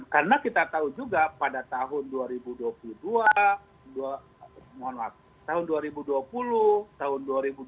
karena kita tahu juga pada tahun dua ribu dua puluh dua mohon maaf tahun dua ribu dua puluh tahun dua ribu dua puluh